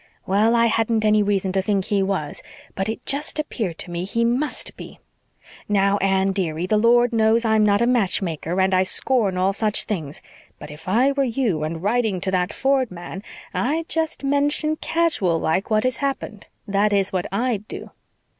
"Well, I hadn't any reason to think he was, but it just appeared to me he MUST be. Now, Anne, dearie, the Lord knows I'm not a match maker, and I scorn all such doings. But if I were you and writing to that Ford man I'd just mention, casual like, what has happened. That is what I'd do."